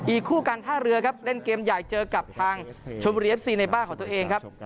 อีกคู่การท่าเรือครับเล่นเกมใหญ่เจอกับทางชมบุรีเอฟซีในบ้านของตัวเองครับ